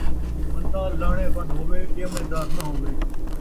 بندہ لہݨے وند ہووے، ݙیوݨے دار ناں ہووے